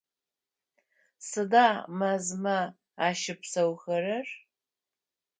Сыда мэзмэ ащыпсэухэрэр?